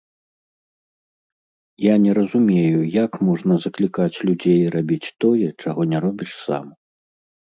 Я не разумею, як можна заклікаць людзей рабіць тое, чаго не робіш сам.